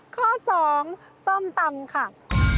ข้อ๒ส้มตำค่ะ